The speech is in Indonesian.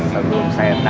sebelum saya tahu rekha